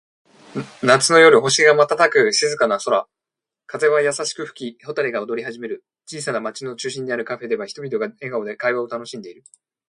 夏の夜、星が瞬く静かな空。風は優しく吹き、蛍が踊り始める。小さな町の中心にあるカフェでは、人々が笑顔で会話を楽しんでいる。